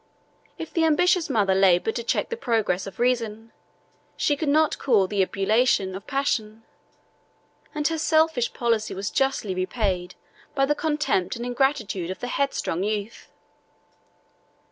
If the ambitious mother labored to check the progress of reason, she could not cool the ebullition of passion; and her selfish policy was justly repaid by the contempt and ingratitude of the headstrong youth.